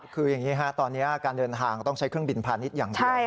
คืออย่างนี้ฮะตอนนี้การเดินทางต้องใช้เครื่องบินพาณิชย์อย่างเดียว